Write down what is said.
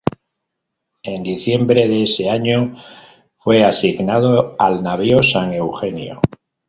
En diciembre de ese año fue asignado al navío "San Eugenio".